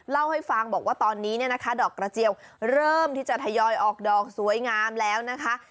เล่าให้ฟังบอกว่าตอนนี้เนี่ยนะคะดอกกระเจียวเริ่มที่จะทยอยออกดอกสวยงามแล้วนะคะ